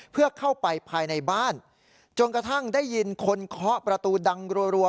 เพื่อเข้าไปภายในบ้านจนกระทั่งได้ยินคนเคาะประตูดังรัว